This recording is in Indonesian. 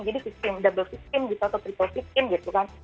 jadi lima belas double lima belas gitu atau triple lima belas gitu kan